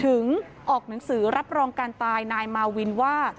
ออกหนังสือรับรองการตายนายมาวินว่า